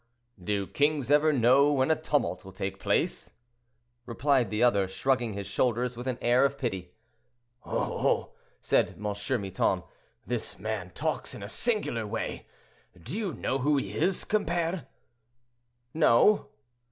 "Do kings ever know when a tumult will take place?" replied the other, shrugging his shoulders with an air of pity. "Oh, oh!" said M. Miton; "this man talks in a singular way. Do you know who he is, compere?" "No."